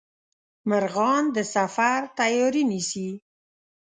مرغان د سفر تیاري نیسي